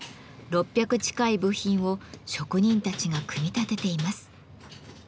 ６００近い部品を職人たちが組み立てています。